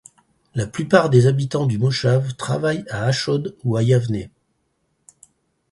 La plupart des habitants du moshav travaillent à Ashdod ou à Yavné.